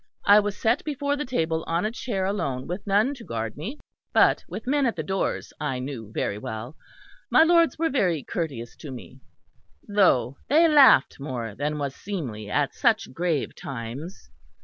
I was set before the table on a chair alone with none to guard me; but with men at the doors I knew very well. My lords were very courteous to me; though they laughed more than was seemly at such grave times.